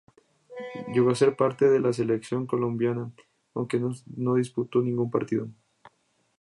Llegó a ser parte de la selección colombiana, aunque no disputó ningún partido.